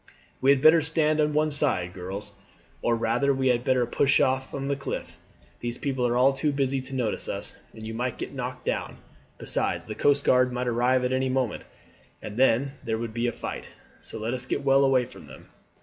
"We had better stand on one side, girls, or rather we had better push on up the cliff. These people are all too busy to notice us, and you might get knocked down; besides, the coastguard might arrive at any moment, and then there would be a fight. So let us get well away from them."